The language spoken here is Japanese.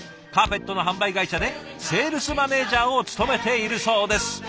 カーペットの販売会社でセールスマネージャーを務めているそうです。